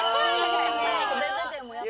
跳べててもやっぱ。